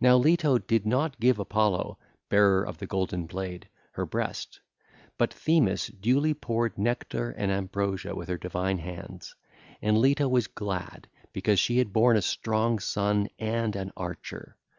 (ll. 123 130) Now Leto did not give Apollo, bearer of the golden blade, her breast; but Themis duly poured nectar and ambrosia with her divine hands: and Leto was glad because she had borne a strong son and an archer.